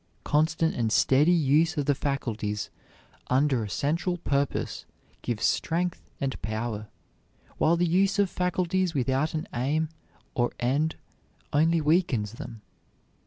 Constant and steady use of the faculties under a central purpose gives strength and power, while the use of faculties without an aim or end only weakens them.